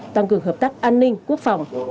tăng cường hợp tác an ninh quốc phòng